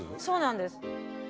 そうなんです。